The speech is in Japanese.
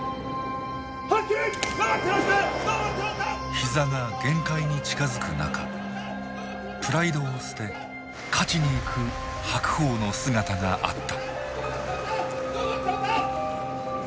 膝が限界に近づく中プライドを捨て勝ちに行く白鵬の姿があった。